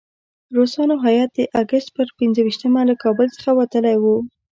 روسانو هیات د اګست پر پنځه ویشتمه له کابل څخه وتلی وو.